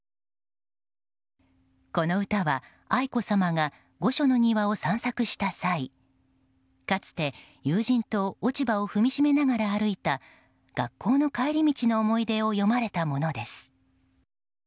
この歌は、愛子さまが御所の庭を散策した際かつて友人と落ち葉を踏みしめながら歩いた学校の帰り道の思い出を詠まれたものです。